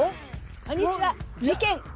こんにちは。